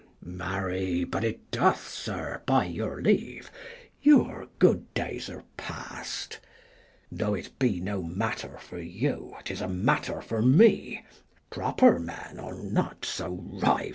Mess. Marry, but it doth, sir, by your leave ; your good days are past : though it be no matter for you, 'tis a matter for me ; proper men are not so rife.